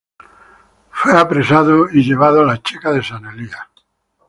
Fue apresado y llevado a la checa de San Elías.